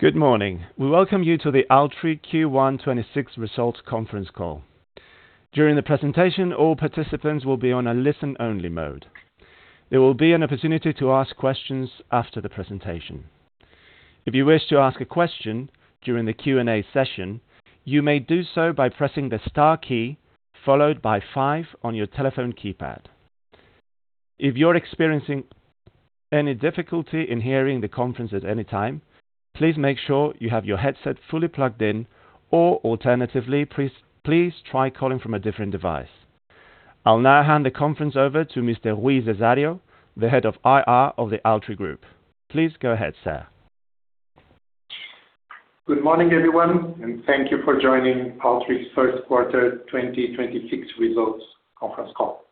Good morning. We welcome you to the Altri Q1 2026 results conference call. I'll now hand the conference over to Mr. Rui Cesário, the Head of IR of the Altri Group. Please go ahead, sir. Good morning, everyone, and thank you for joining Altri's first quarter 2026 results conference call.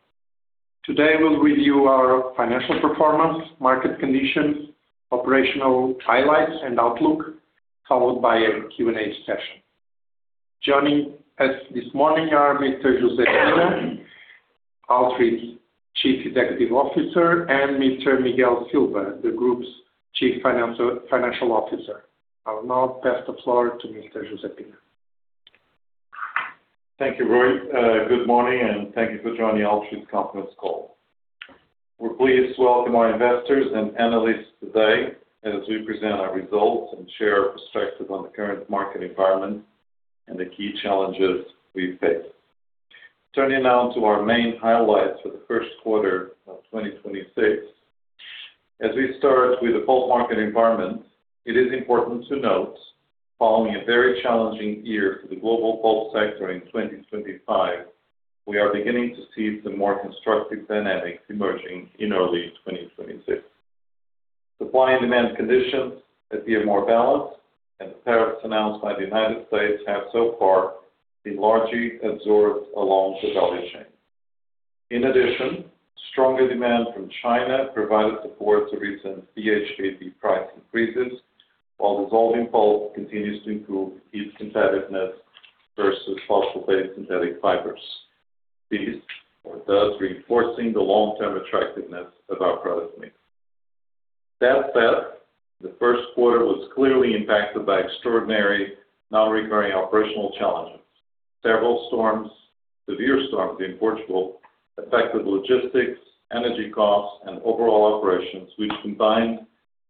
Today, we'll review our financial performance, market conditions, operational highlights, and outlook, followed by a Q&A session. Joining us this morning are Mr. José Pina, Altri's Chief Executive Officer, and Mr. Miguel Silva, the group's Chief Financial Officer. I will now pass the floor to Mr. José Pina. Thank you, Rui. Good morning, and thank you for joining Altri's conference call. We are pleased to welcome our investors and analysts today as we present our results and share our perspective on the current market environment and the key challenges we face. Turning now to our main highlights for the first quarter of 2026. As we start with the pulp market environment, it is important to note, following a very challenging year for the global pulp sector in 2025, we are beginning to see some more constructive dynamics emerging in early 2026. Supply and demand conditions appear more balanced, and the tariffs announced by the United States have so far been largely absorbed along the value chain. Stronger demand from China provided support to recent BHKP price increases, while dissolving pulp continues to improve its competitiveness versus fossil fuel-based synthetic fibers, thus reinforcing the long-term attractiveness of our product mix. The first quarter was clearly impacted by extraordinary non-recurring operational challenges. Several storms, severe storms in Portugal, affected logistics, energy costs, and overall operations, which combined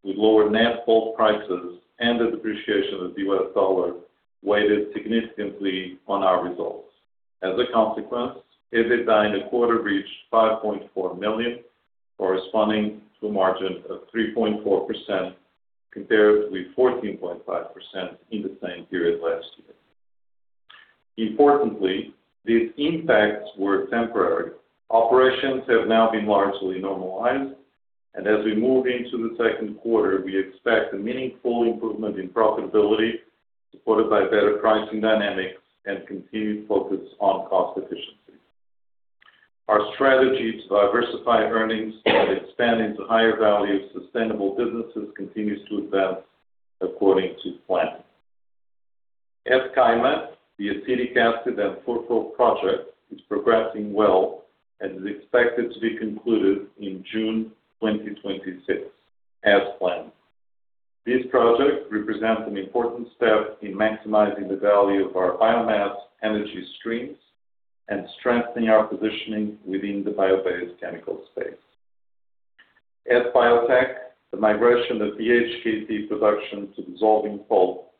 with lower net pulp prices and the depreciation of the U.S. dollar, weighted significantly on our results. EBITDA in the quarter reached 5.4 million, corresponding to a margin of 3.4%, compared with 14.5% in the same period last year. These impacts were temporary. Operations have now been largely normalized, as we move into the second quarter, we expect a meaningful improvement in profitability, supported by better pricing dynamics and continued focus on cost efficiency. Our strategy to diversify earnings and expand into higher value sustainable businesses continues to advance according to plan. At Caima, the acetic acid and furfural project is progressing well and is expected to be concluded in June 2026 as planned. This project represents an important step in maximizing the value of our biomass energy streams and strengthening our positioning within the bio-based chemical space. At Biotek, the migration of BHKP production to dissolving pulp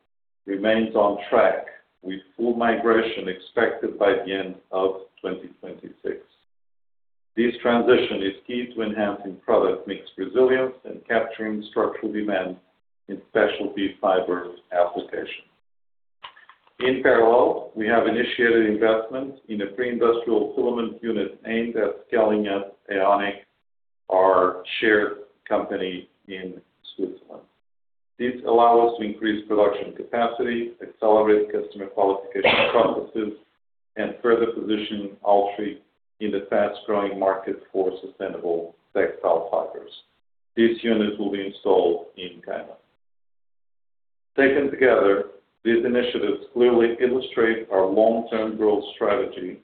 remains on track, with full migration expected by the end of 2026. This transition is key to enhancing product mix resilience and capturing structural demand in specialty fiber applications. In parallel, we have initiated investment in a pre-industrial filament unit aimed at scaling up AeoniQ, our shared company in Switzerland. This allow us to increase production capacity, accelerate customer qualification processes, and further position Altri in the fast-growing market for sustainable textile fibers. This unit will be installed in Caima. Taken together, these initiatives clearly illustrate our long-term growth strategy,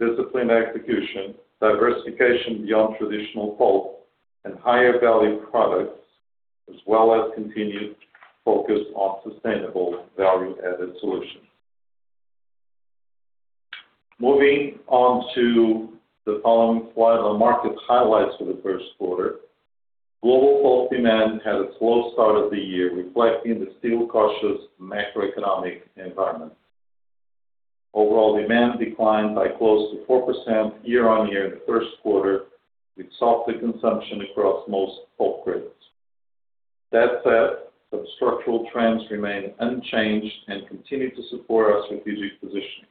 disciplined execution, diversification beyond traditional pulp and higher value products, as well as continued focus on sustainable value-added solutions. Moving on to the following slide on market highlights for the first quarter. Global pulp demand had a slow start of the year, reflecting the still cautious macroeconomic environment. Overall demand declined by close to 4% year-on-year in the first quarter, with softer consumption across most pulp grades. That said, some structural trends remain unchanged and continue to support our strategic positioning.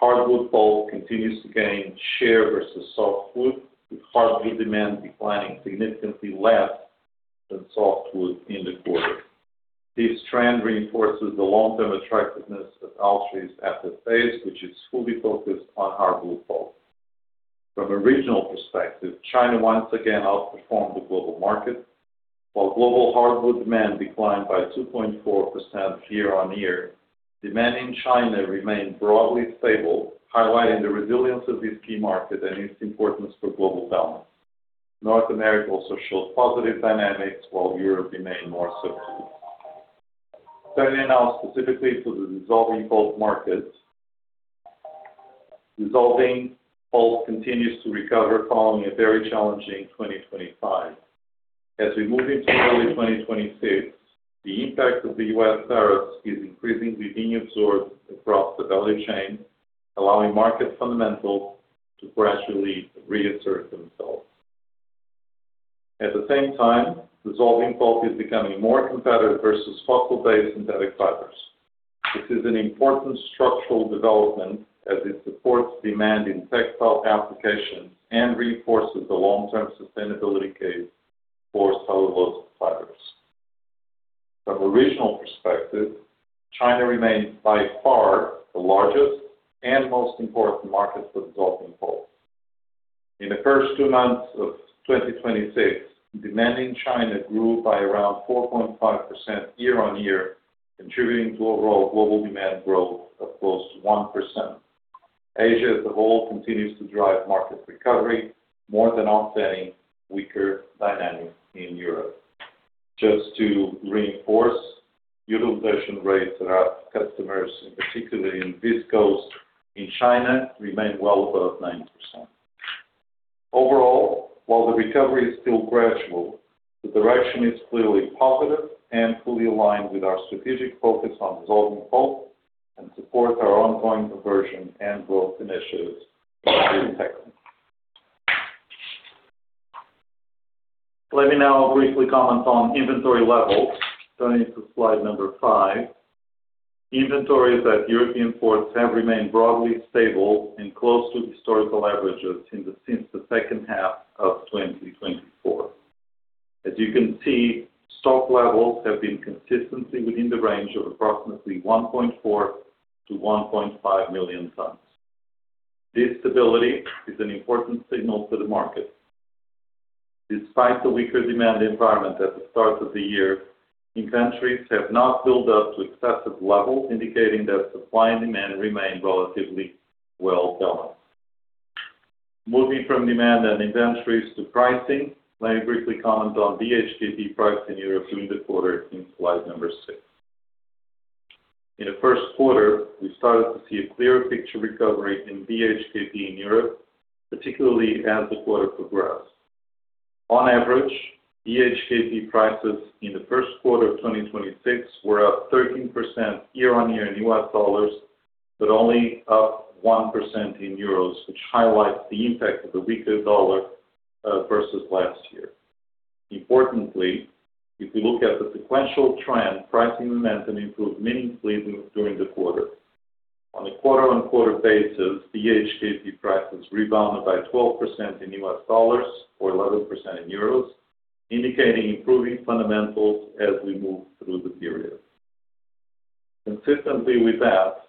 Hardwood pulp continues to gain share versus softwood, with hardwood demand declining significantly less than softwood in the quarter. This trend reinforces the long-term attractiveness of Altri's asset base, which is fully focused on hardwood pulp. From a regional perspective, China once again outperformed the global market. While global hardwood demand declined by 2.4% year-on-year, demand in China remained broadly stable, highlighting the resilience of this key market and its importance for global balance. North America also showed positive dynamics while Europe remained more subdued. Turning now specifically to the dissolving pulp markets. Dissolving pulp continues to recover following a very challenging 2025. As we move into early 2026, the impact of the U.S. tariffs is increasingly being absorbed across the value chain, allowing market fundamentals to gradually reassert themselves. At the same time, dissolving pulp is becoming more competitive versus fossil-based synthetic fibers. This is an important structural development as it supports demand in textile applications and reinforces the long-term sustainability case for cellulosic fibers. From a regional perspective, China remains by far the largest and most important market for dissolving pulp. In the first two months of 2026, demand in China grew by around 4.5% year-on-year, contributing to overall global demand growth of close to 1%. Asia as a whole continues to drive market recovery, more than offsetting weaker dynamics in Europe. Just to reinforce, utilization rates at our customers, and particularly in viscose in China, remain well above 90%. Overall, while the recovery is still gradual, the direction is clearly positive and fully aligned with our strategic focus on dissolving pulp and supports our ongoing conversion and growth initiatives in textiles. Let me now briefly comment on inventory levels, turning to slide number five. Inventories at European ports have remained broadly stable and close to historical averages since the second half of 2024. As you can see, stock levels have been consistently within the range of approximately 1.4 million-1.5 million tons. This stability is an important signal to the market. Despite the weaker demand environment at the start of the year, inventories have not built up to excessive levels, indicating that supply and demand remain relatively well balanced. Moving from demand and inventories to pricing, let me briefly comment on BHKP price in Europe during the quarter in slide number six. In the first quarter, we started to see a clearer picture recovery in BHKP in Europe, particularly as the quarter progressed. On average, BHKP prices in the first quarter of 2026 were up 13% year-on-year in U.S. dollars, but only up 1% in euros, which highlights the impact of the weaker dollar versus last year. Importantly, if we look at the sequential trend, pricing momentum improved meaningfully during the quarter. On a quarter-on-quarter basis, BHKP prices rebounded by 12% in U.S. dollars or 11% in euros, indicating improving fundamentals as we move through the period. Consistently with that,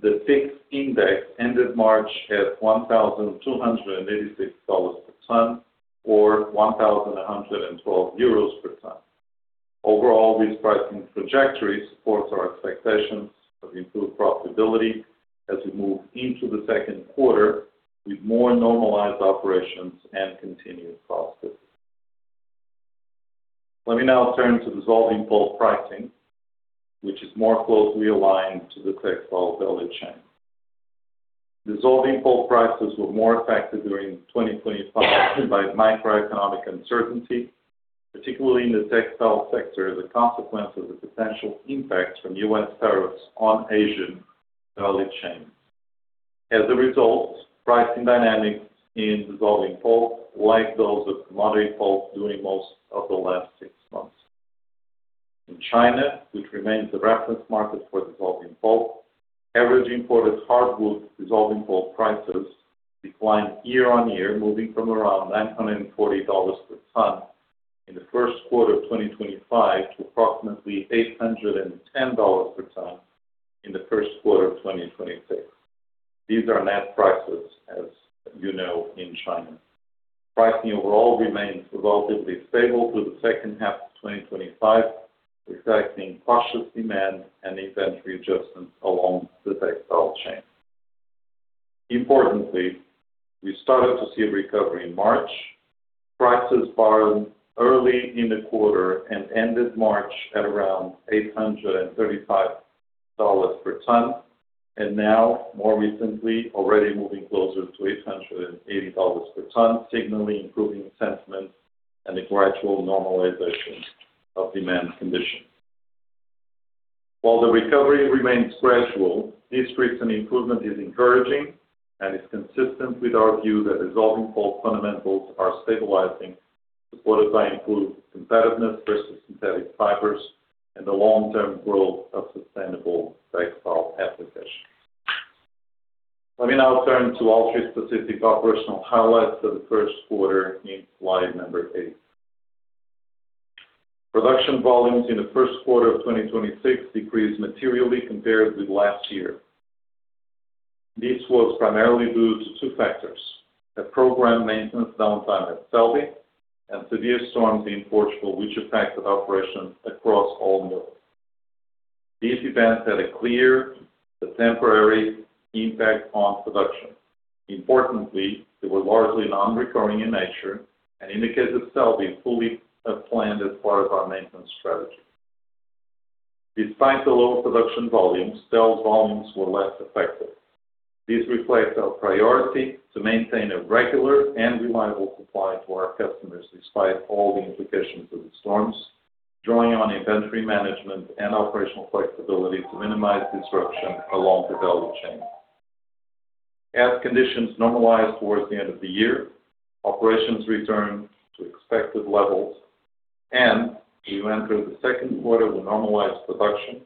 the FOEX index ended March at $1,286 per ton or 1,112 euros per ton. Overall, this pricing trajectory supports our expectations of improved profitability as we move into the second quarter with more normalized operations and continued cost saves. Let me now turn to dissolving pulp pricing, which is more closely aligned to the textile value chain. Dissolving pulp prices were more affected during 2025 by macroeconomic uncertainty, particularly in the textile sector as a consequence of the potential impact from U.S. tariffs on Asian value chains. Pricing dynamics in dissolving pulp lagged those of commodity pulp during most of the last six months. In China, which remains the reference market for dissolving pulp, average imported hardwood dissolving pulp prices declined year-on-year, moving from around $940 per ton in the first quarter of 2025 to approximately $810 per ton in the first quarter of 2026. These are net prices, as you know, in China. Pricing overall remains relatively stable through the second half of 2025, reflecting cautious demand and inventory adjustments along the textile chain. Importantly, we started to see a recovery in March. Prices bottomed early in the quarter and ended March at around $835 per ton and now more recently, already moving closer to $880 per ton, signaling improving sentiment and a gradual normalization of demand conditions. While the recovery remains gradual, this recent improvement is encouraging and is consistent with our view that dissolving pulp fundamentals are stabilizing, supported by improved competitiveness versus synthetic fibers and the long-term growth of sustainable textile applications. Let me now turn to Altri-specific operational highlights for the 1st quarter in slide number eight. Production volumes in the first quarter of 2026 decreased materially compared with last year. This was primarily due to two factors, a program maintenance downtime at Celbi and severe storms in Portugal, which affected operations across all mills. These events had a clear but temporary impact on production. Importantly, they were largely non-recurring in nature and indicate the Celbi fully as planned as part of our maintenance strategy. Despite the lower production volumes, sales volumes were less affected. This reflects our priority to maintain a regular and reliable supply to our customers despite all the implications of the storms, drawing on inventory management and operational flexibility to minimize disruption along the value chain. As conditions normalized towards the end of the year, operations returned to expected levels, and we entered the second quarter with normalized production,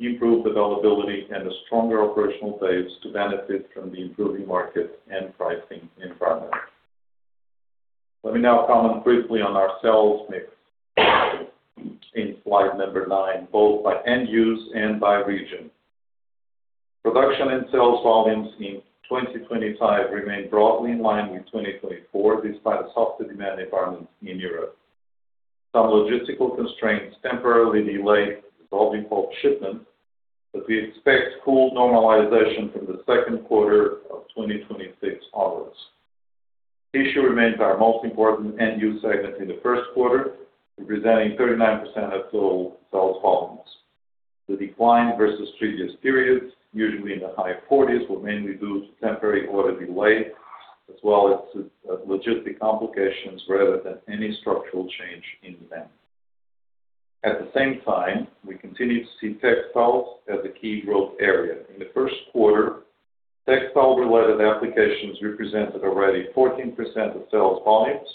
improved availability, and a stronger operational base to benefit from the improving market and pricing environment. Let me now comment briefly on our sales mix in slide number nine, both by end use and by region. Production and sales volumes in 2025 remain broadly in line with 2024, despite a softer demand environment in Europe. Some logistical constraints temporarily delayed dissolving pulp shipments, but we expect full normalization from the second quarter of 2026 onwards. Tissue remains our most important end-use segment in the first quarter, representing 39% of total sales volumes. The decline versus previous periods, usually in the high 40%, were mainly due to temporary order delay, as well as logistics complications rather than any structural change in demand. At the same time, we continue to see textiles as a key growth area. In the first quarter, textile-related applications represented already 14% of sales volumes,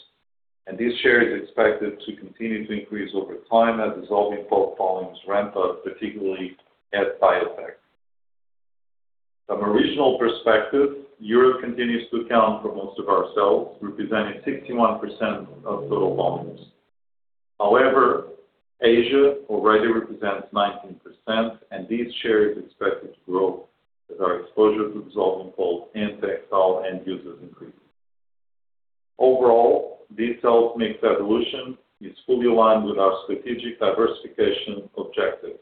and this share is expected to continue to increase over time as dissolving pulp volumes ramp up, particularly at Biotek. From a regional perspective, Europe continues to account for most of our sales, representing 61% of total volumes. However, Asia already represents 19%, and this share is expected to grow as our exposure to dissolving pulp and textile end users increases. Overall, this sales mix evolution is fully aligned with our strategic diversification objectives,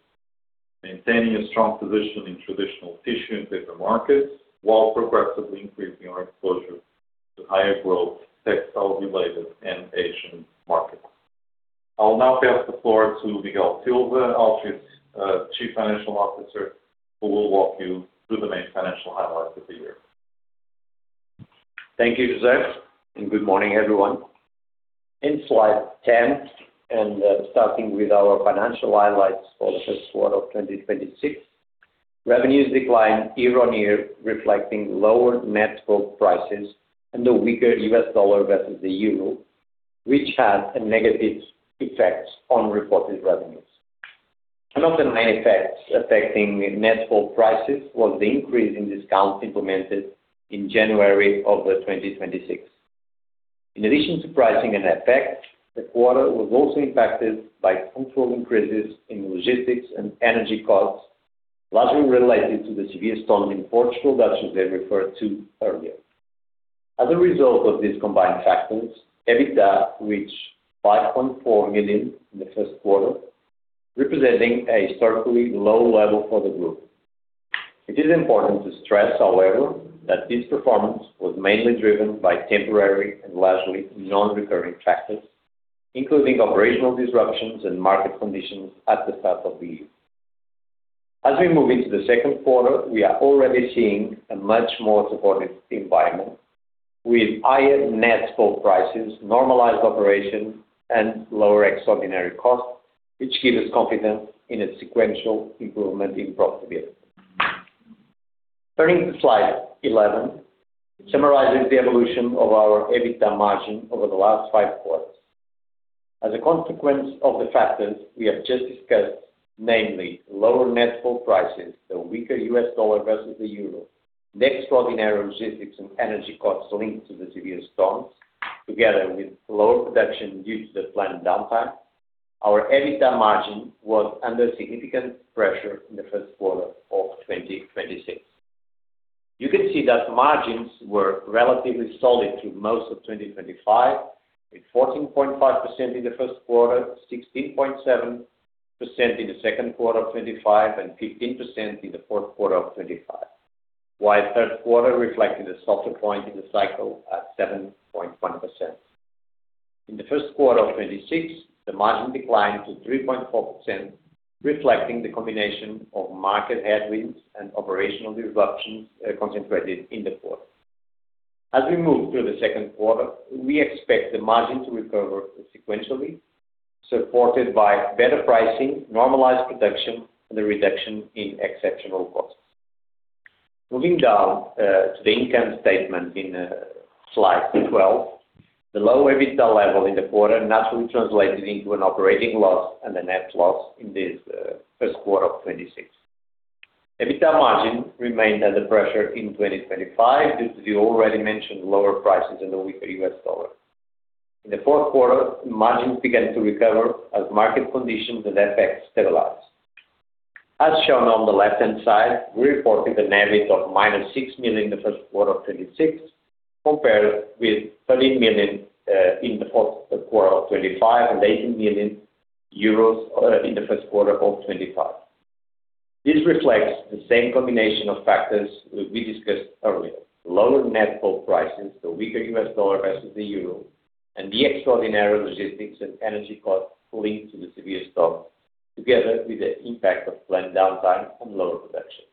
maintaining a strong position in traditional tissue and paper markets while progressively increasing our exposure to higher growth textile-related and Asian markets. I'll now pass the floor to Miguel Silva, Altri's Chief Financial Officer, who will walk you through the main financial highlights of the year. Thank you, José, and good morning, everyone. In slide 10, and starting with our financial highlights for the first quarter of 2026, revenues declined year-on-year, reflecting lower net pulp prices and the weaker U.S. dollar versus the euro, which had a negative effect on reported revenues. One of the main effects affecting net pulp prices was the increase in discounts implemented in January of 2026. In addition to pricing and FX, the quarter was also impacted by control increases in logistics and energy costs, largely related to the severe storm in Portugal that José referred to earlier. As a result of these combined factors, EBITDA reached 5.4 million in the first quarter, representing a historically low level for the group. It is important to stress, however, that this performance was mainly driven by temporary and largely non-recurring factors, including operational disruptions and market conditions at the start of the year. As we move into the second quarter, we are already seeing a much more supportive environment with higher net pulp prices, normalized operation, and lower extraordinary costs, which give us confidence in a sequential improvement in profitability. Turning to slide 11, it summarizes the evolution of our EBITDA margin over the last five quarters. As a consequence of the factors we have just discussed, namely lower net pulp prices, the weaker U.S. dollar versus the euro, the extraordinary logistics and energy costs linked to the severe storms together with lower production due to the planned downtime, our EBITDA margin was under significant pressure in the first quarter of 2026. You can see that margins were relatively solid through most of 2025, with 14.5% in the first quarter, 16.7% in the second quarter of 2025, and 15% in the fourth quarter of 2025. While third quarter reflected a softer point in the cycle at 7.1%. In the first quarter of 2026, the margin declined to 3.4%, reflecting the combination of market headwinds and operational disruptions concentrated in the quarter. As we move through the second quarter, we expect the margin to recover sequentially, supported by better pricing, normalized production, and a reduction in exceptional costs. Moving down to the income statement in slide 12, the low EBITDA level in the quarter naturally translated into an operating loss and a net loss in this first quarter of 2026. EBITDA margin remained under pressure in 2025 due to the already mentioned lower prices and the weaker U.S. dollar. In the fourth quarter, margins began to recover as market conditions and FX stabilized. As shown on the left-hand side, we reported an EBIT of -6 million in Q1 2026, compared with 13 million in Q4 2025 and 18 million euros in Q1 2025. This reflects the same combination of factors we discussed earlier, lower net pulp prices, the weaker US dollar versus the euro, and the extraordinary logistics and energy costs linked to the severe storm, together with the impact of planned downtime and lower production.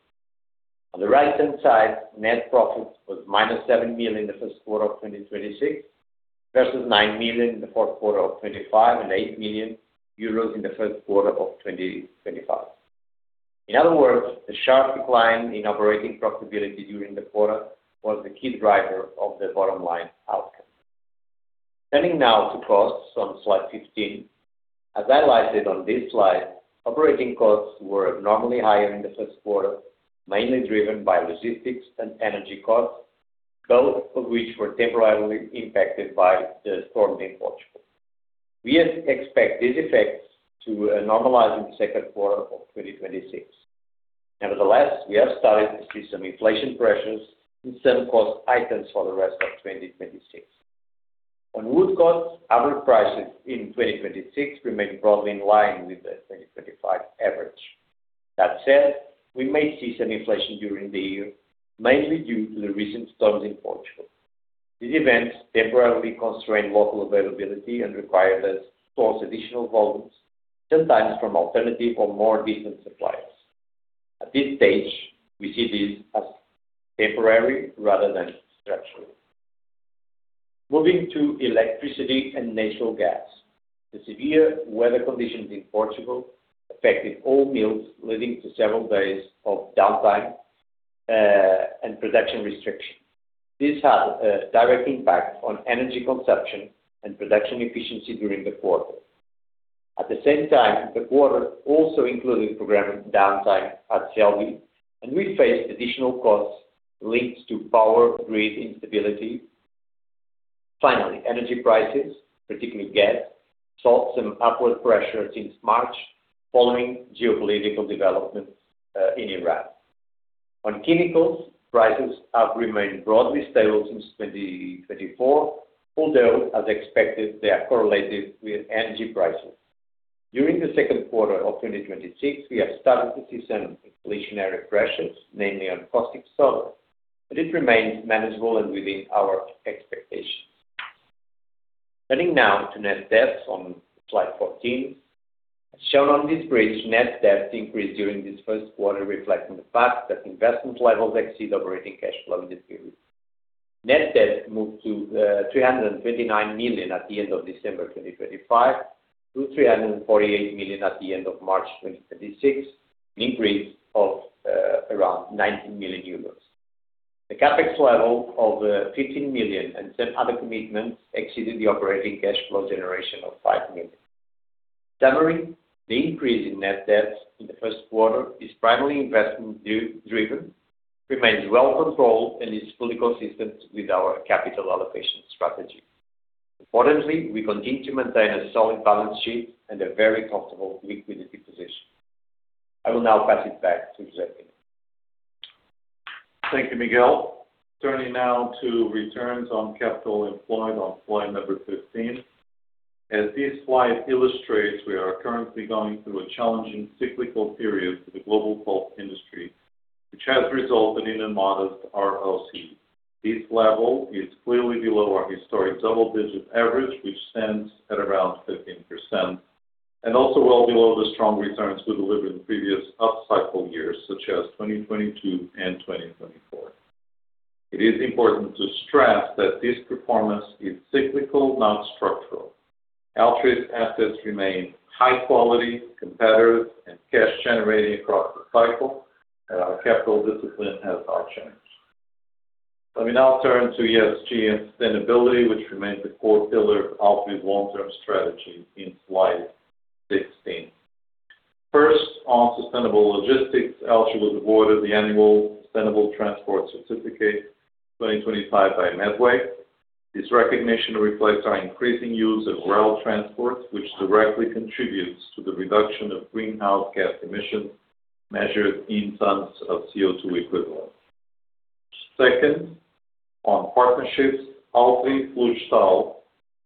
On the right-hand side, net profit was -7 million in Q1 2026, versus 9 million in Q4 2025 and 8 million euros in Q1 2025. In other words, the sharp decline in operating profitability during the quarter was the key driver of the bottom line outcome. Turning now to costs on slide 15. As analyzed on this slide, operating costs were abnormally higher in the first quarter, mainly driven by logistics and energy costs, both of which were temporarily impacted by the storm in Portugal. We expect these effects to normalize in the second quarter of 2026. Nevertheless, we have started to see some inflation pressures in certain cost items for the rest of 2026. On wood costs, average prices in 2026 remain broadly in line with the 2025 average. That said, we may see some inflation during the year, mainly due to the recent storms in Portugal. These events temporarily constrained local availability and required us to source additional volumes, sometimes from alternative or more distant suppliers. At this stage, we see this as temporary rather than structural. Moving to electricity and natural gas. The severe weather conditions in Portugal affected all mills, leading to several days of downtime and production restriction. This had a direct impact on energy consumption and production efficiency during the quarter. At the same time, the quarter also included programmed downtime at Celbi, and we faced additional costs linked to power grid instability. Finally, energy prices, particularly gas, saw some upward pressure since March following geopolitical developments in Iran. On chemicals, prices have remained broadly stable since 2024, although, as expected, they are correlated with energy prices. During the second quarter of 2026, we have started to see some inflationary pressures, mainly on caustic soda, but it remains manageable and within our expectations. Turning now to net debts on slide 14. As shown on this bridge, net debts increased during this first quarter, reflecting the fact that investment levels exceed operating cash flow in this period. Net debt moved to 329 million at the end of December 2025 to 348 million at the end of March 2026, an increase of around 90 million euros. The CapEx level of 15 million and some other commitments exceeded the operating cash flow generation of 5 million. In summary, the increase in net debt in the first quarter is primarily investment driven, remains well controlled, and is fully consistent with our capital allocation strategy. Importantly, we continue to maintain a solid balance sheet and a very comfortable liquidity position. I will now pass it back to José. Thank you, Miguel. Turning now to returns on capital employed on slide number 15. As this slide illustrates, we are currently going through a challenging cyclical period for the global pulp industry, which has resulted in a modest ROC. This level is clearly below our historic double-digit average, which stands at around 15%, and also well below the strong returns we delivered in previous up-cycle years, such as 2022 and 2024. It is important to stress that this performance is cyclical, not structural. Altri's assets remain high quality, competitive, and cash generating across the cycle. Our capital discipline has not changed. Let me now turn to ESG and sustainability, which remains a core pillar of Altri's long-term strategy in slide 16. First, on sustainable logistics, Altri was awarded the Annual Sustainable Transport Certificate 2025 by MEDWAY. This recognition reflects our increasing use of rail transport, which directly contributes to the reduction of greenhouse gas emissions measured in tons of CO2 equivalent. Second, on partnerships, Altri Florestal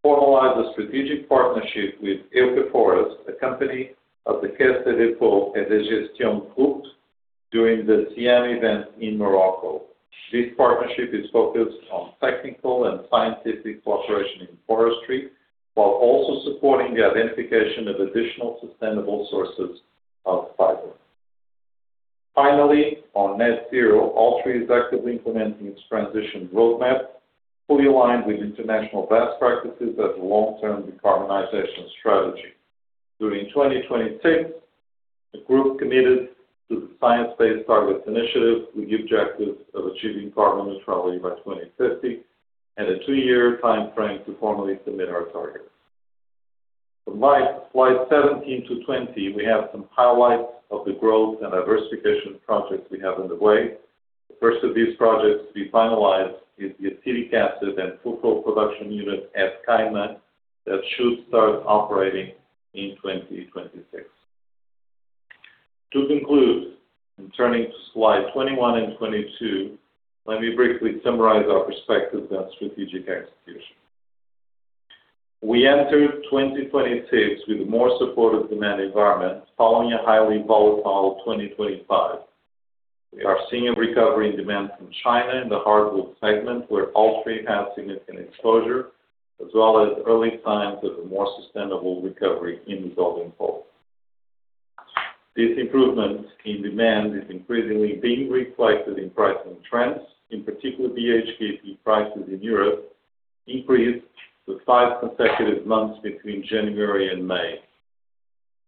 formalized a strategic partnership with Eucaforest, a company of the Caisse de Dépôt et de Gestion group, during the SIAM event in Morocco. This partnership is focused on technical and scientific cooperation in forestry, while also supporting the identification of additional sustainable sources of fiber. Finally, on net zero, Altri is actively implementing its transition roadmap, fully aligned with international best practices as a long-term decarbonization strategy. During 2026, the group committed to the Science Based Targets initiative with the objective of achieving carbon neutrality by 2050 and a two-year timeframe to formally submit our targets. For slides 17-20, we have some highlights of the growth and diversification projects we have on the way. The first of these projects to be finalized is the acetic acid and furfural production unit at Caima that should start operating in 2026. To conclude, in turning to slide 21 and 22, let me briefly summarize our perspectives on strategic execution. We enter 2026 with a more supportive demand environment following a highly volatile 2025. We are seeing a recovery in demand from China in the hardwood segment, where Altri has significant exposure, as well as early signs of a more sustainable recovery in dissolving pulp. This improvement in demand is increasingly being reflected in pricing trends. In particular, BHKP prices in Europe increased for five consecutive months between January and May.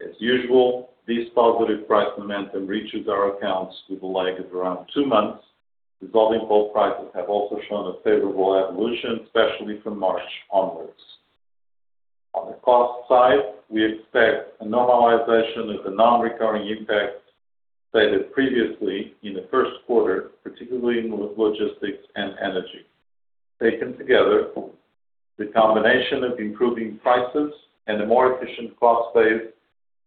As usual, this positive price momentum reaches our accounts with a lag of around two months. Dissolving pulp prices have also shown a favorable evolution, especially from March onwards. On the cost side, we expect a normalization of the non-recurring impacts stated previously in the first quarter, particularly in logistics and energy. Taken together, the combination of improving prices and a more efficient cost base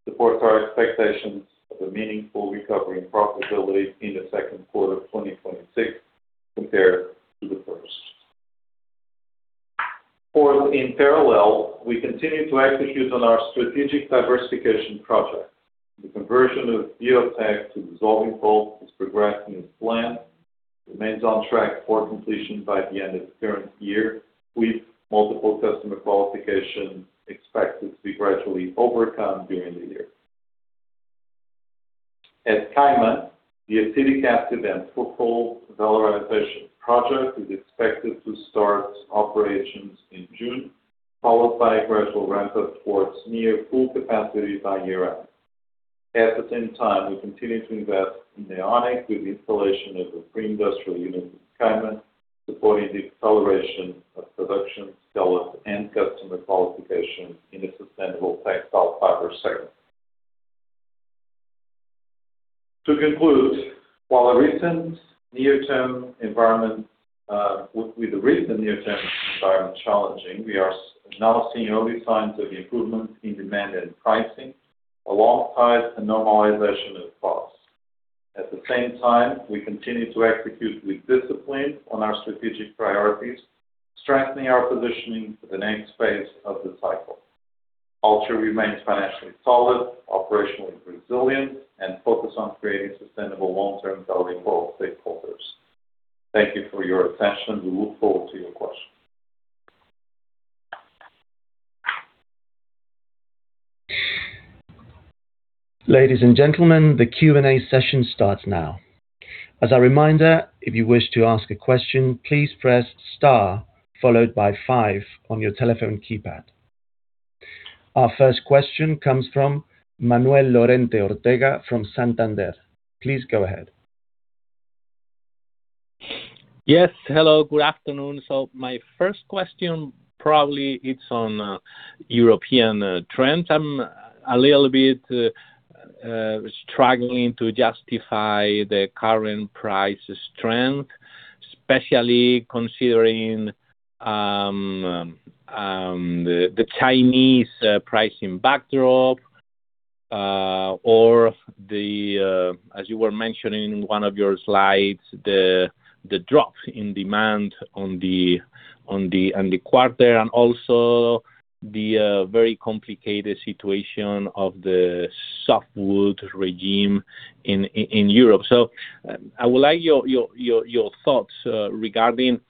supports our expectations of a meaningful recovery in profitability in the second quarter of 2026 compared to the first. Fourth, in parallel, we continue to execute on our strategic diversification project. The conversion of Biotek to dissolving pulp is progressing as planned. The conversion remains on track for completion by the end of the current year, with multiple customer qualifications expected to be gradually overcome during the year. At Caima, the acetic acid and furfural valorization project is expected to start operations in June, followed by a gradual ramp-up towards near full capacity by year-end. At the same time, we continue to invest in AeoniQ with the installation of a pre-industrial unit in Caima, supporting the acceleration of production scale-up and customer qualification in the sustainable textile fiber segment. To conclude, while the recent near-term environment challenging, we are now seeing early signs of improvement in demand and pricing alongside the normalization of costs. At the same time, we continue to execute with discipline on our strategic priorities, strengthening our positioning for the next phase of the cycle. Altri remains financially solid, operationally resilient, and focused on creating sustainable long-term value for all stakeholders. Thank you for your attention, we look forward to your questions. Ladies and gentlemen, the Q&A session starts now. As a reminder, if you wish to ask a question, please press star followed by five on your telephone keypad. Our first question comes from Manuel Lorente Ortega from Santander. Please go ahead. Yes. Hello, good afternoon. My first question probably it's on European trends. I'm a little bit struggling to justify the current price strength, especially considering the Chinese pricing backdrop or the, as you were mentioning in one of your slides, the drop in demand on the quarter and also the very complicated situation of the softwood regime in Europe. I would like your thoughts regarding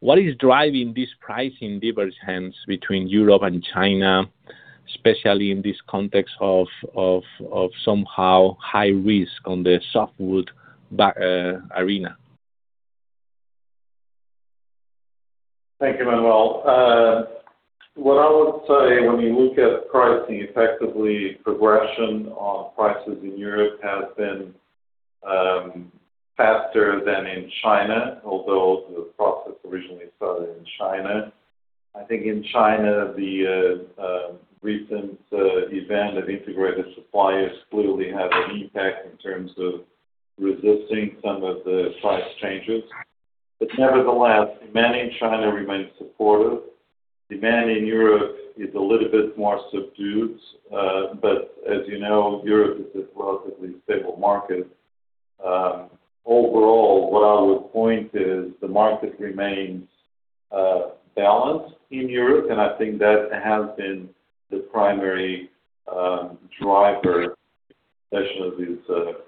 what is driving this pricing divergence between Europe and China, especially in this context of somehow high risk on the softwood arena. Thank you, Manuel. What I would say when we look at pricing, effectively progression on prices in Europe has been faster than in China, although the process originally started in China. I think in China, the recent event of integrated suppliers clearly had an impact in terms of resisting some of the price changes. Nevertheless, demand in China remains supportive. Demand in Europe is a little bit more subdued. As you know, Europe is a relatively stable market. Overall, what I would point is the market remains balanced in Europe, and I think that has been the primary driver especially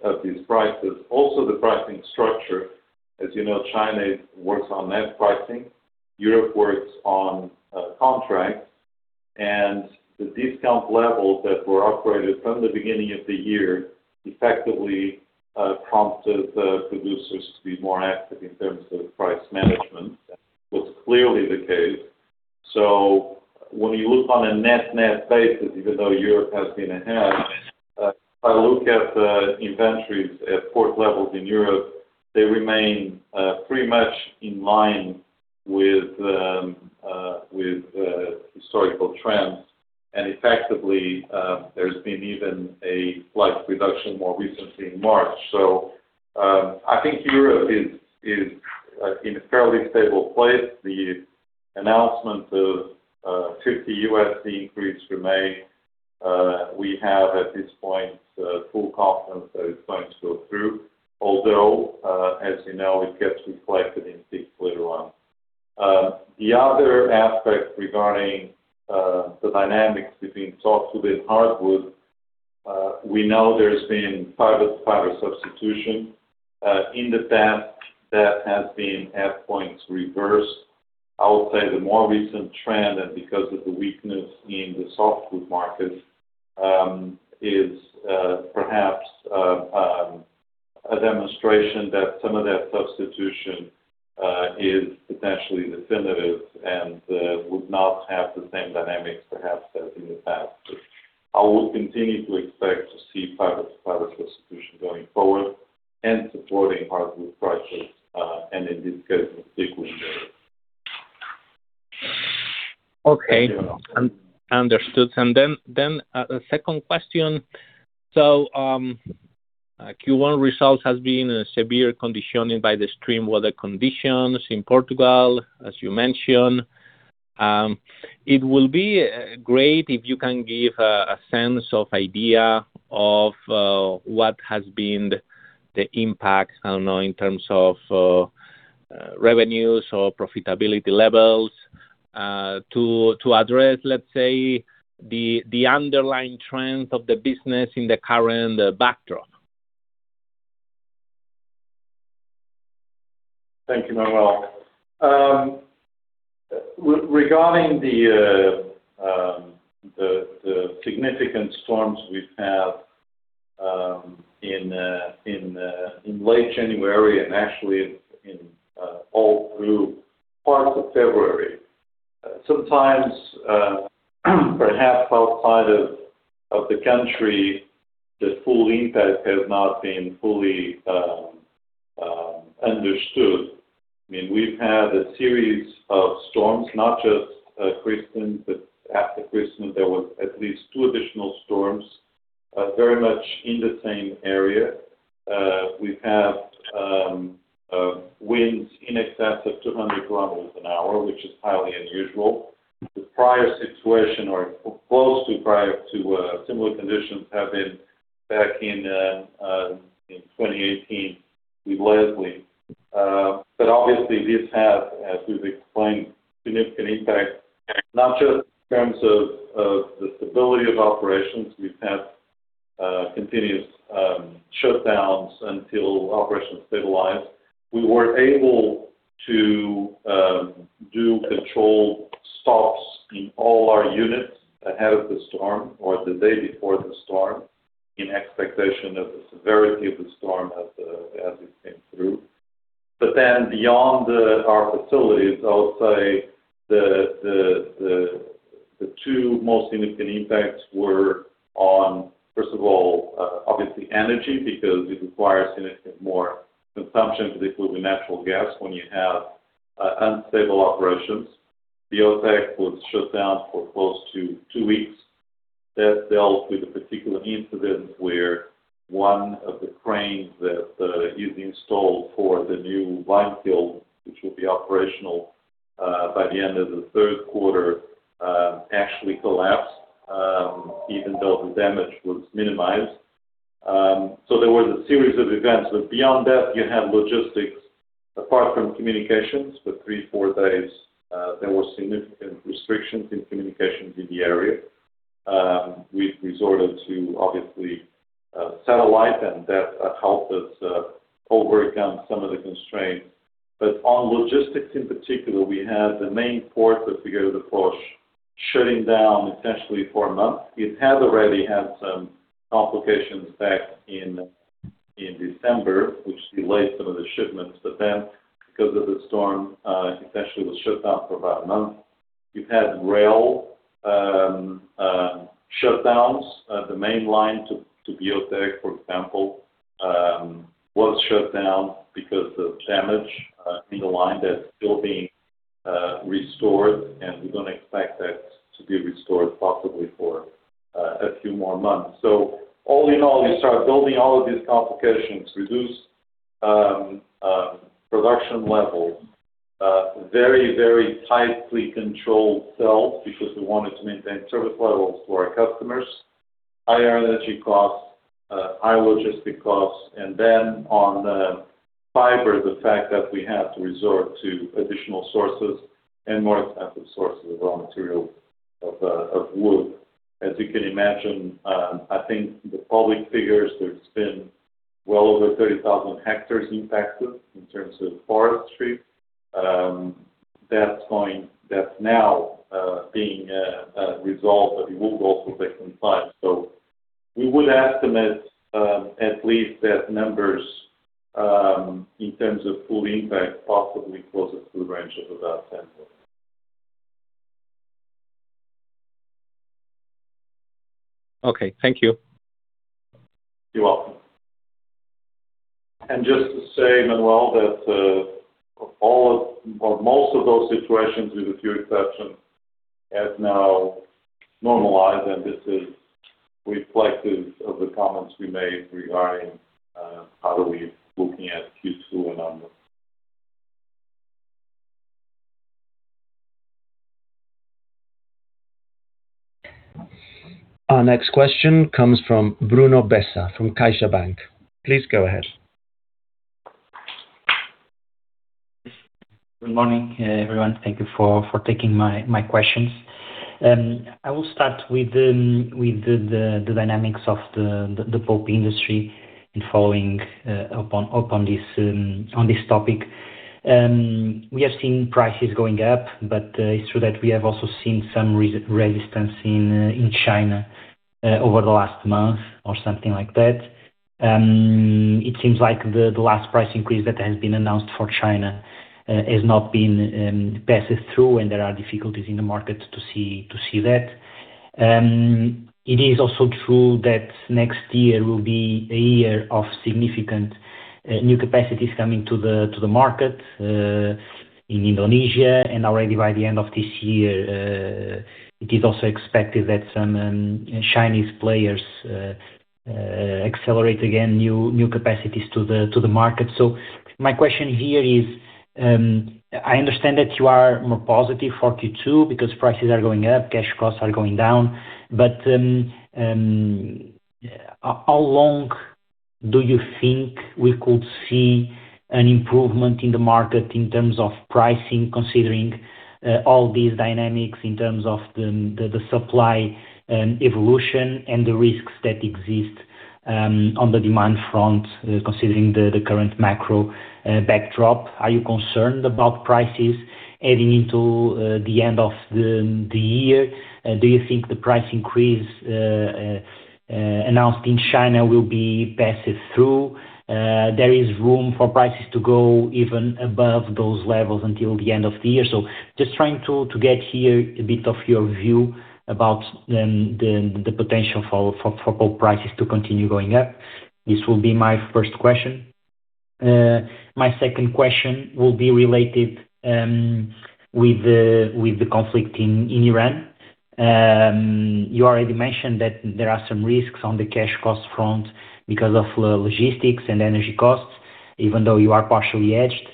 of these prices. Also the pricing structure, as you know, China works on net pricing. Europe works on contracts, and the discount levels that were operated from the beginning of the year effectively prompted producers to be more active in terms of price management. That was clearly the case. When you look on a net-net basis, even though Europe has been ahead, if I look at the inventories at port levels in Europe, they remain pretty much in line with historical trends. Effectively, there's been even a slight reduction more recently in March. I think Europe is in a fairly stable place. The announcement of $50 increase from May, we have at this point, full confidence that it's going to go through, although, as you know, it gets reflected in this later on. The other aspect regarding the dynamics between softwood and hardwood, we know there's been fiber-to-fiber substitution. In the past, that has been at points reversed. I would say the more recent trend, and because of the weakness in the softwood markets, is perhaps a demonstration that some of that substitution is potentially definitive and would not have the same dynamics, perhaps, as in the past. I would continue to expect to see fiber-to-fiber substitution going forward and supporting hardwood prices, and in this case, in particular. Understood. A second question, Q1 results has been severely conditioned by the extreme weather conditions in Portugal, as you mentioned. It will be great if you can give a sense of idea of what has been the impact, I don't know, in terms of revenues or profitability levels to address, let's say, the underlying trend of the business in the current backdrop? Thank you, Manuel. Regarding the significant storms we've had in late January and actually all through parts of February, sometimes perhaps outside of the country, the full impact has not been fully understood. We've had a series of storms, not just Christmas, but after Christmas, there were at least two additional storms, very much in the same area. We've had winds in excess of 200 km an hour, which is highly unusual. The prior situation, or close to prior to similar conditions, have been back in 2018 with Leslie. Obviously, this has, as we've explained, significant impact, not just in terms of the stability of operations. We've had continuous shutdowns until operations stabilized. We were able to do controlled stops in all our units ahead of the storm or the day before the storm in expectation of the severity of the storm as it came through. Beyond our facilities, I would say the two most significant impacts were on, first of all, obviously energy, because it requires significantly more consumption, particularly with natural gas, when you have unstable operations. Biotek was shut down for close to two weeks. That dealt with a particular incident where one of the cranes that is installed for the new line field, which will be operational by the end of the third quarter, actually collapsed, even though the damage was minimized. There was a series of events, but beyond that, you have logistics, apart from communications. For three, four days, there were significant restrictions in communications in the area. We resorted to, obviously, satellite, and that helped us overcome some of the constraints. On logistics in particular, we had the main port of Figueira da Foz shutting down, essentially, for a month. It had already had some complications back in December, which delayed some of the shipments. Because of the storm, essentially was shut down for about a month. You've had rail shutdowns. The main line to Biotek, for example, was shut down because of damage in the line that's still being restored, and we don't expect that to be restored, possibly, for a few more months. All in all, you start building all of these complications, reduced production levels, very tightly controlled sales because we wanted to maintain service levels for our customers. Higher energy costs, higher logistic costs. On the fiber, the fact that we have to resort to additional sources and more expensive sources of raw material of wood. As you can imagine, I think the public figures, there's been well over 30,000 hectares impacted in terms of forestry. That's now being resolved, but it will also take some time. We would estimate at least that numbers in terms of full impact, possibly closer to the range of about 10,000. Okay, thank you. You're welcome. Just to say, Manuel, that for most of those situations, with a few exceptions has now normalized, and this is reflective of the comments we made regarding how are we looking at Q2 and onwards. Our next question comes from Bruno Bessa from CaixaBank. Please go ahead. Good morning, everyone. Thank you for taking my questions. I will start with the dynamics of the pulp industry and following up on this topic. We have seen prices going up, it's true that we have also seen some resistance in China over the last month or something like that. It seems like the last price increase that has been announced for China has not been passed through, and there are difficulties in the market to see that. It is also true that next year will be a year of significant new capacities coming to the market in Indonesia. Already by the end of this year, it is also expected that some Chinese players accelerate again new capacities to the market. My question here is, I understand that you are more positive for Q2 because prices are going up, cash costs are going down. How long do you think we could see an improvement in the market in terms of pricing, considering all these dynamics in terms of the supply and evolution and the risks that exist on the demand front, considering the current macro backdrop? Are you concerned about prices heading into the end of the year? Do you think the price increase announced in China will be passed through? There is room for prices to go even above those levels until the end of the year. Just trying to get here a bit of your view about the potential for pulp prices to continue going up. This will be my first question. My second question will be related with the conflict in Iran. You already mentioned that there are some risks on the cash cost front because of logistics and energy costs, even though you are partially hedged.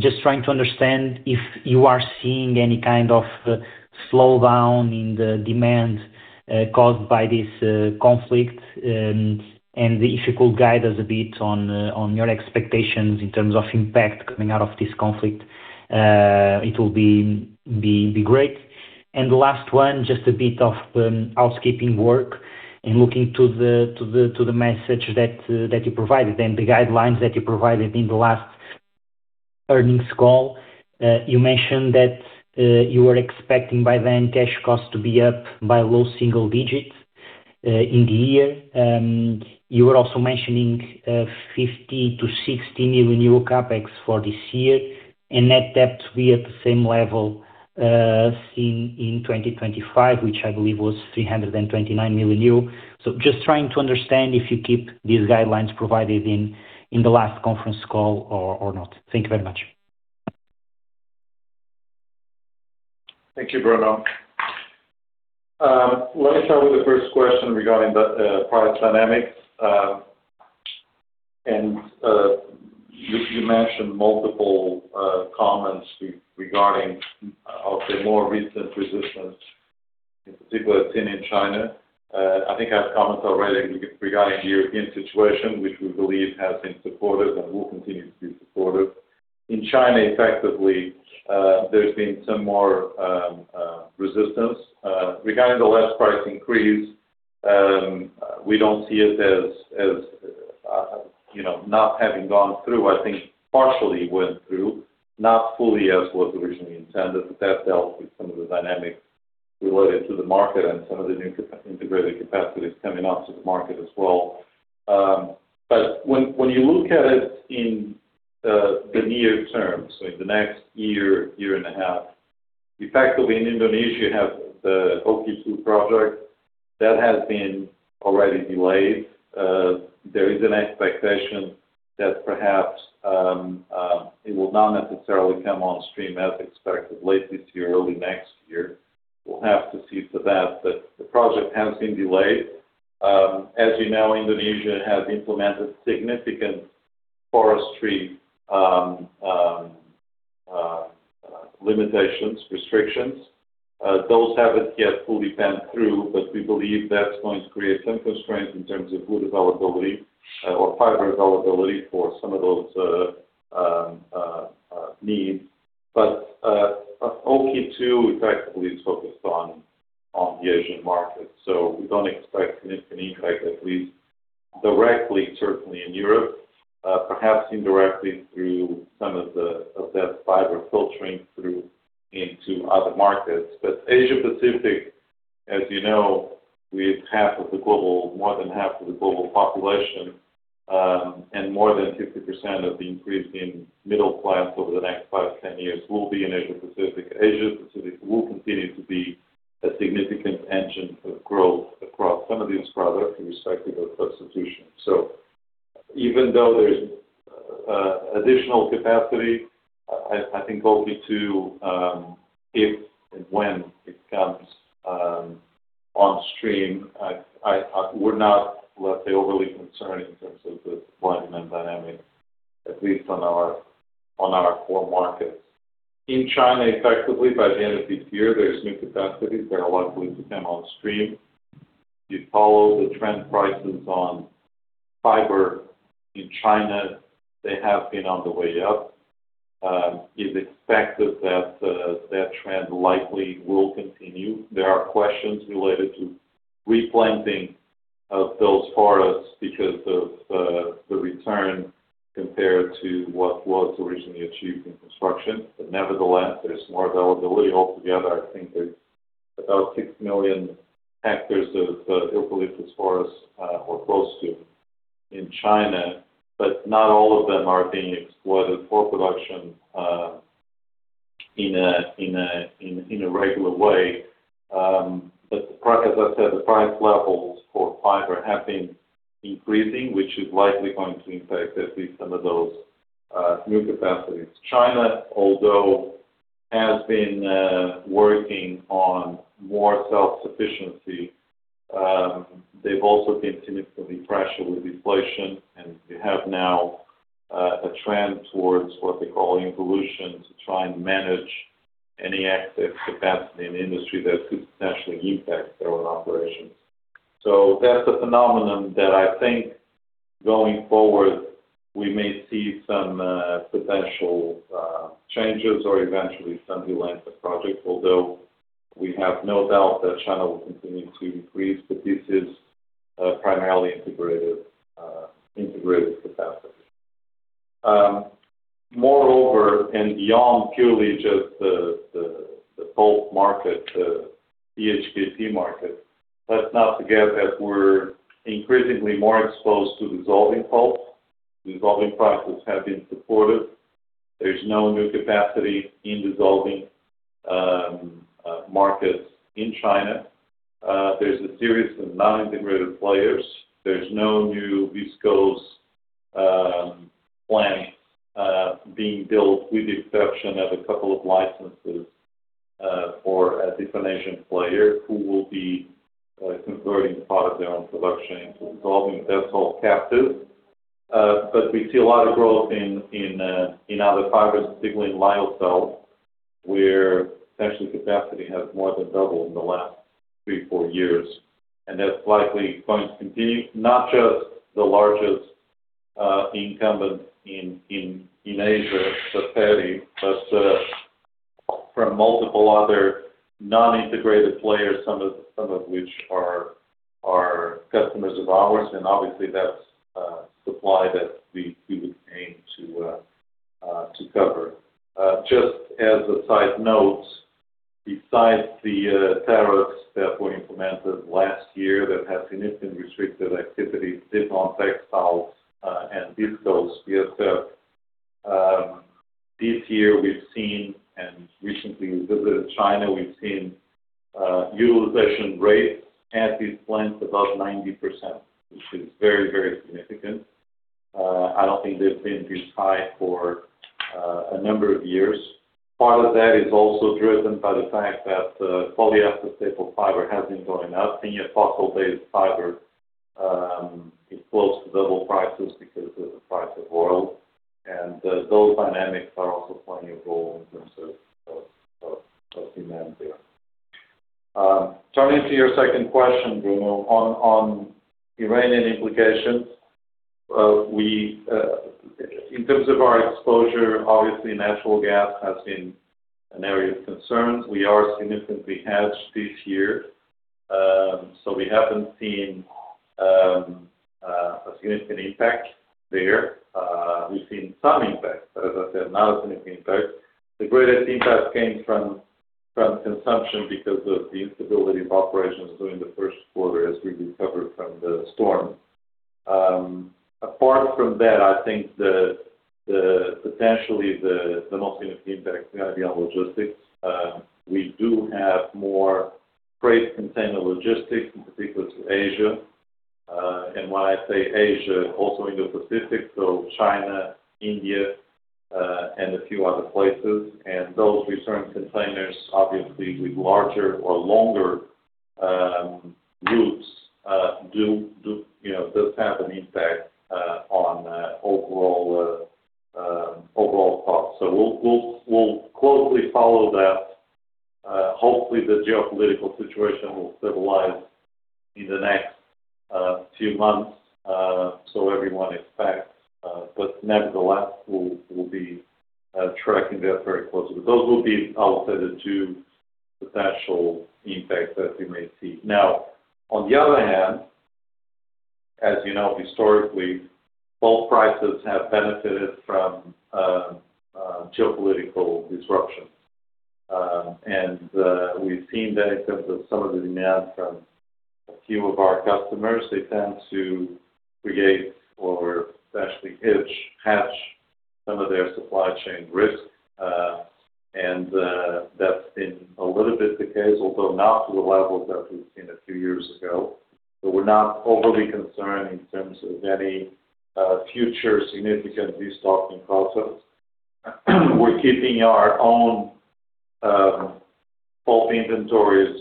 Just trying to understand if you are seeing any kind of slowdown in the demand caused by this conflict. If you could guide us a bit on your expectations in terms of impact coming out of this conflict, it will be great. The last one, just a bit of housekeeping work and looking to the message that you provided and the guidelines that you provided in the last earnings call. You mentioned that you were expecting by then cash costs to be up by low single digits in the year. You were also mentioning 50 million-60 million euro CapEx for this year and net debt to be at the same level as in 2025, which I believe was 329 million euro. Just trying to understand if you keep these guidelines provided in the last conference call or not. Thank you very much. Thank you, Bruno. Let me start with the first question regarding the product dynamics. You mentioned multiple comments regarding, I'll say, more recent resistance, in particular seen in China. I think I've commented already regarding the European situation, which we believe has been supportive and will continue to be supportive. In China, effectively, there's been some more resistance. Regarding the last price increase, we don't see it as not having gone through. I think partially went through, not fully as was originally intended. That dealt with some of the dynamics related to the market and some of the new integrated capacities coming onto the market as well. When you look at it in the near term, so in the next year and a half, effectively in Indonesia, you have the OKI II project. That has been already delayed. There is an expectation that perhaps it will not necessarily come on stream as expected late this year, early next year. We'll have to see to that. The project has been delayed. As you know, Indonesia has implemented significant forestry limitations, restrictions. Those haven't yet fully panned through, but we believe that's going to create some constraints in terms of wood availability or fiber availability for some of those needs. OKI effectively is focused on the Asian market. We don't expect significant impact, at least directly, certainly in Europe. Perhaps indirectly through some of that fiber filtering through into other markets. Asia-Pacific, as you know, with more than half of the global population, and more than 50% of the increase in middle class over the next 5-10 years will be in Asia-Pacific. Asia-Pacific will continue to be a significant engine for growth across some of these products, irrespective of substitution. Even though there's additional capacity, I think, only to if and when it comes on stream. We're not, let's say, overly concerned in terms of the supply and demand dynamic, at least on our core markets. In China, effectively by the end of this year, there's new capacities that are likely to come on stream. If you follow the trend prices on fiber in China, they have been on the way up. It's expected that trend likely will continue. There are questions related to replanting of those forests because of the return compared to what was originally achieved in construction. Nevertheless, there's more availability. Altogether, I think there's about 6 million hectares of eucalyptus forest, or close to, in China. Not all of them are being exploited for production in a regular way. As I said, the price levels for fiber have been increasing, which is likely going to impact at least some of those new capacities. China, although, has been working on more self-sufficiency. They've also been significantly pressured with deflation, and they have now a trend towards what they call involution to try and manage any excess capacity in industry that could potentially impact their own operations. That's a phenomenon that I think going forward, we may see some potential changes or eventually some delay in the project, although we have no doubt that China will continue to increase. This is primarily integrated capacity. Beyond purely just the pulp market, the BHKP market, let's not forget that we're increasingly more exposed to dissolving pulp. Dissolving prices have been supported. There's no new capacity in dissolving markets in China. There's a series of non-integrated players. There's no new viscose planning being built, with the exception of a couple of licenses for a different Asian player who will be converting part of their own production into dissolving. That's all captive. We see a lot of growth in other fibers, particularly in lyocell, where essentially capacity has more than doubled in the last three, four years. That's likely going to continue, not just the largest incumbent in Asia, Sateri, but from multiple other non-integrated players, some of which are customers of ours, and obviously that's supply that we would aim to cover. Just as a side note, besides the tariffs that were implemented last year that have significantly restricted activity, did on textiles and viscose, this year we've seen, and recently visited China, we've seen utilization rates at these plants above 90%, which is very significant. I don't think they've been this high for a number of years. Part of that is also driven by the fact that polyester staple fiber has been going up, and yet fossil-based fiber is close to double prices because of the price of oil. Those dynamics are also playing a role in terms of demand there. Turning to your second question, Bruno, on Iranian implications. In terms of our exposure, obviously natural gas has been an area of concern. We are significantly hedged this year, so we haven't seen a significant impact there. We've seen some impact, but as I said, not a significant impact. The greatest impact came from consumption because of the instability of operations during the first quarter as we recovered from the storm. Apart from that, I think potentially the most significant impact is going to be on logistics. We do have more freight container logistics, in particular to Asia. When I say Asia, also Indo-Pacific, so China, India, and a few other places. Those return containers, obviously with larger or longer routes, does have an impact on overall cost. We'll closely follow that. Hopefully, the geopolitical situation will stabilize in the next few months, so everyone expects. Nevertheless, we'll be tracking that very closely. Those will be, I will say, the two potential impacts that we may see. Now, on the other hand, as you know, historically, pulp prices have benefited from geopolitical disruption. We've seen that in terms of some of the demand from a few of our customers. They tend to create or essentially hedge some of their supply chain risk. That's been a little bit the case, although not to the levels that we've seen a few years ago. We're not overly concerned in terms of any future significant destocking process. We're keeping our own pulp inventories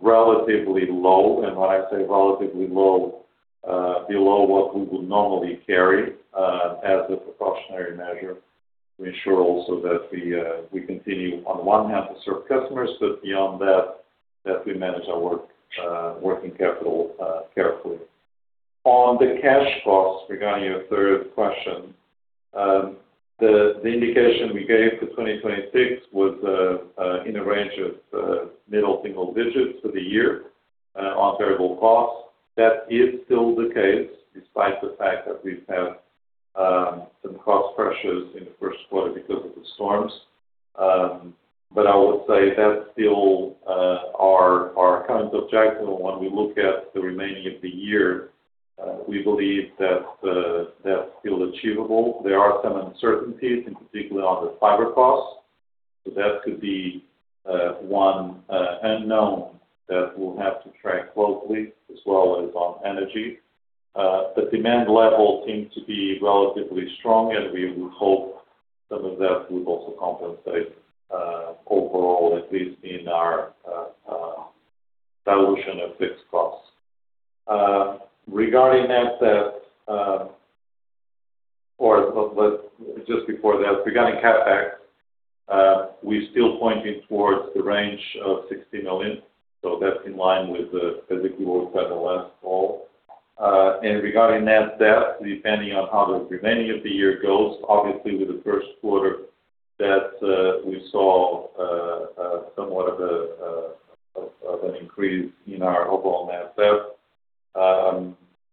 relatively low, and when I say relatively low, below what we would normally carry as a precautionary measure to ensure also that we continue on one hand to serve customers, but beyond that we manage our working capital carefully. On the cash cost, regarding your third question, the indication we gave for 2026 was in a range of middle single digits for the year on variable costs. That is still the case despite the fact that we've had some cost pressures in the first quarter because of the storms. I would say that's still our current objective, and when we look at the remaining of the year, we believe that's still achievable. There are some uncertainties, in particular on the fiber costs. That could be one unknown that we'll have to track closely, as well as on energy. The demand levels seem to be relatively strong, and we would hope some of that would also compensate overall, at least in our dilution of fixed costs. Regarding net debt, or just before that, regarding CapEx, we're still pointing towards the range of 60 million. That's in line with basically what we said in the last call. Regarding net debt, depending on how the remaining of the year goes, obviously with the first quarter, that we saw somewhat of an increase in our overall net debt.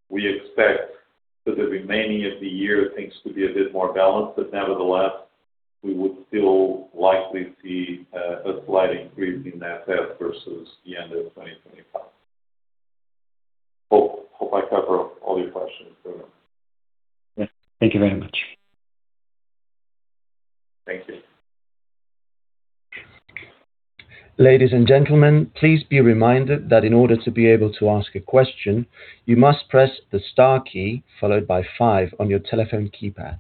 We expect for the remaining of the year, things to be a bit more balanced. Nevertheless, we would still likely see a slight increase in net debt versus the end of 2025. Hope I covered all your questions. Yeah, thank you very much. Thank you. Ladies and gentlemen, please be reminded that in order to be able to ask a question, you must press the star key followed by five on your telephone keypad.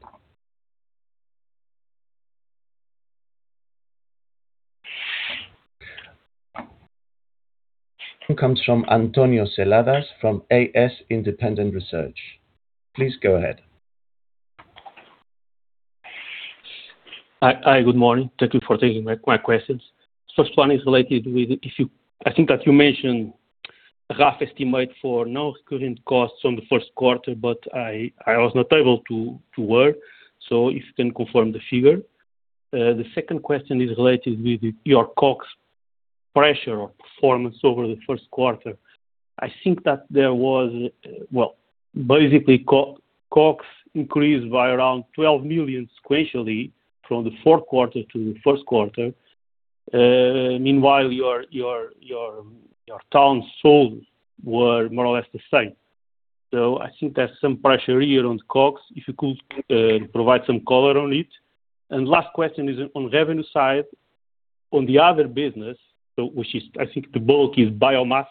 It comes from António Seladas from AS Independent Research. Please go ahead. Hi, good morning. Thank you for taking my questions. First one is related with you mentioned a rough estimate for non-recurring costs on the first quarter, but I was not able to hear. If you can confirm the figure. The second question is related with your COGS pressure or performance over the first quarter. COGS increased by around EUR 12 million sequentially from the fourth quarter to the first quarter. Meanwhile, your tons sold were more or less the same. There's some pressure here on COGS, if you could provide some color on it. Last question is on revenue side, on the other business, which is the bulk is biomass,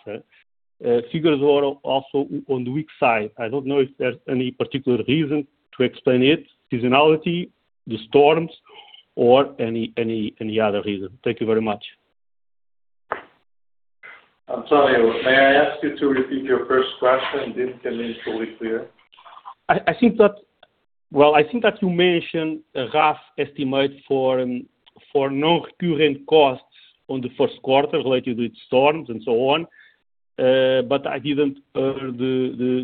figures were also on the weak side. I don't know if there's any particular reason to explain it, seasonality, the storms, or any other reason. Thank you very much. António, may I ask you to repeat your first question? It didn't come in fully clear. Well, I think that you mentioned a rough estimate for non-recurring costs on the first quarter related with storms and so on. I didn't hear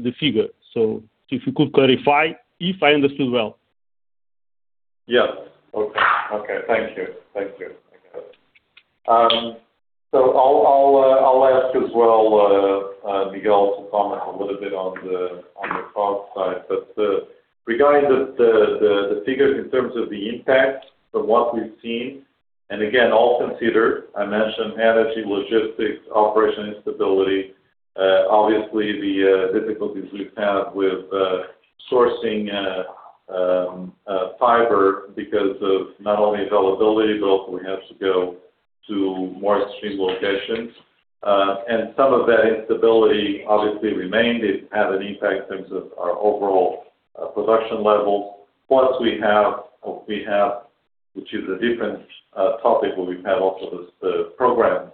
the figure. If you could clarify, if I understood well? Yeah. Okay, thank you. I'll ask as well Miguel to comment a little bit on the cost side. Regarding the figures in terms of the impact from what we've seen, and again, all considered, I mentioned energy, logistics, operation instability, obviously the difficulties we've had with sourcing fiber because of not only availability, but also we have to go to more extreme locations. Some of that instability obviously remained. It had an impact in terms of our overall production levels. Plus we have, which is a different topic, but we've had also the programmed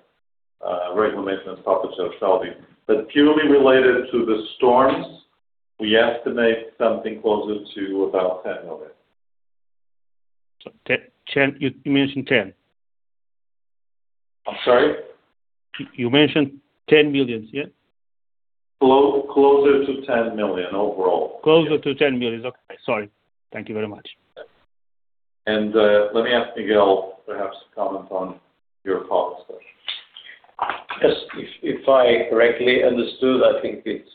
maintenance stop at Celbi.. Purely related to the storms, we estimate something closer to about 10 million. You mentioned 10? I'm sorry? You mentioned 10 million, yeah? Closer to 10 million overall. Closer to 10 million. Okay, sorry. Thank you very much. Let me ask Miguel perhaps to comment on your COGS question. Yes. If I correctly understood, I think it's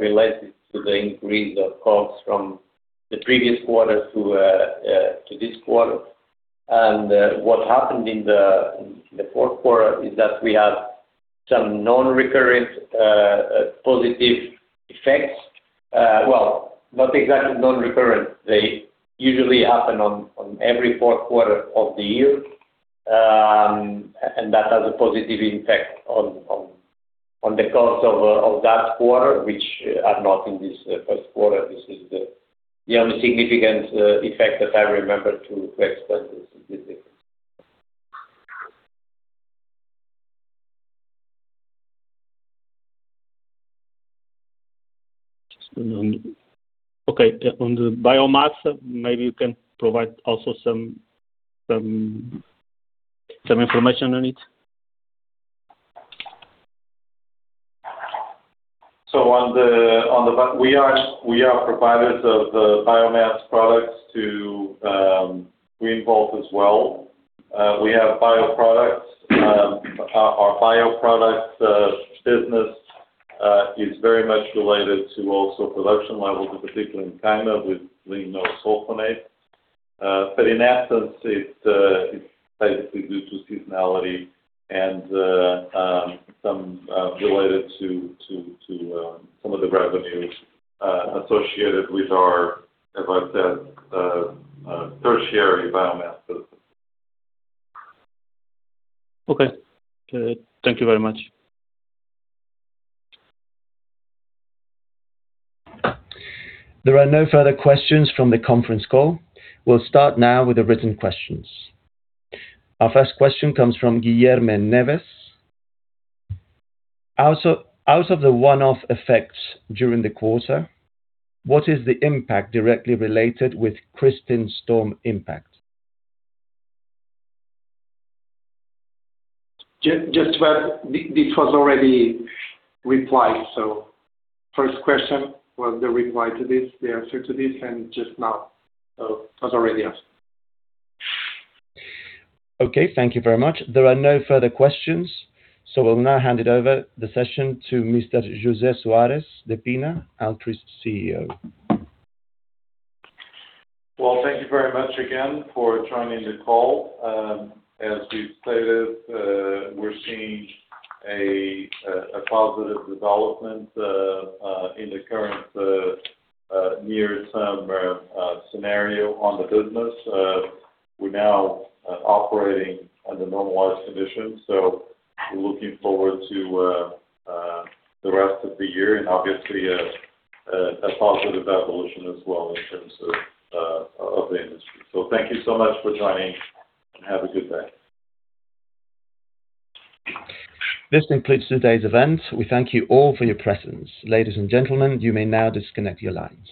related to the increase of COGS from the previous quarter to this quarter. What happened in the fourth quarter is that we had some non-recurrent positive effects. Well, not exactly non-recurrent. They usually happen on every fourth quarter of the year, that has a positive impact on the costs of that quarter, which are not in this first quarter. This is the only significant effect that I remember to explain this difference. Okay. On the biomass, maybe you can provide also some information on it? We are providers of the biomass products to Greenvolt as well. We have bioproducts. Our bioproduct business is very much related to also production levels, in particular in China with lignosulfonate. In essence, it's basically due to seasonality and some related to some of the revenues associated with our, as I've said, tertiary biomass business. Okay, thank you very much. There are no further questions from the conference call. We'll start now with the written questions. Our first question comes from Guilherme Neves. "Out of the one-off effects during the quarter, what is the impact directly related with Kristin storm impact?" This was already replied. First question was the reply to this, the answer to this, and just now. It was already answered. Okay, thank you very much. There are no further questions, so we'll now hand it over the session to Mr. José Soares de Pina, Altri's CEO. Well, thank you very much again for joining the call. As we've stated, we're seeing a positive development in the current near-term scenario on the business. We're now operating under normalized conditions, so we're looking forward to the rest of the year and obviously a positive evolution as well in terms of the industry. Thank you so much for joining, and have a good day. This concludes today's event. We thank you all for your presence. Ladies and gentlemen, you may now disconnect your lines.